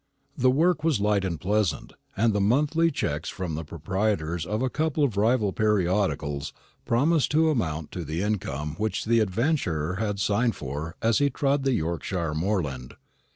The work was light and pleasant; and the monthly cheques from the proprietors of a couple of rival periodicals promised to amount to the income which the adventurer had sighed for as he trod the Yorkshire moorland.